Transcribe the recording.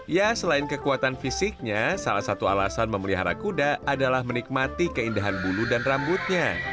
ya selain kekuatan fisiknya salah satu alasan memelihara kuda adalah menikmati keindahan bulu dan rambutnya